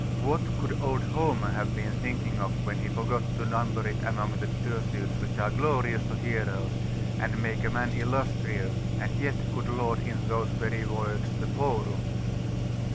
What could old Homer have been thinking of when he forgot to number it among the pursuits which are glorious to heroes, and make man illustrious, and yet could laud in those very words the forum?